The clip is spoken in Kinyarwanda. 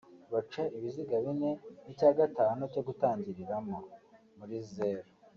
baca ibiziga bine n’icya gatanu cyo gutangiriramo (muri zeru)